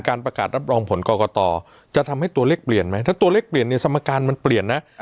ประกาศรับรองผลกรกตจะทำให้ตัวเลขเปลี่ยนไหมถ้าตัวเลขเปลี่ยนเนี่ยสมการมันเปลี่ยนนะ